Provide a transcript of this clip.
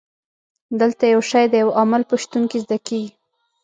دلته یو شی د یو عامل په شتون کې زده کیږي.